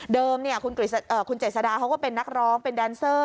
เดิมเนี่ยคุณเจ๋ษดาเขาก็เป็นนักร้องเป็นดันเซอร์